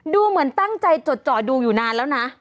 ดูเหมือนตั้งใจจดจ่อดูอยู่นานแล้วนะ